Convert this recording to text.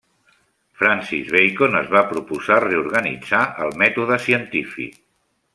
Francis Bacon es va proposar reorganitzar el mètode científic.